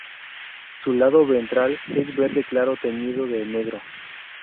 Su lado ventral es verde claro teñido de negro.